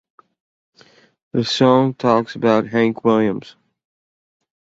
The song talks about Hank Williams.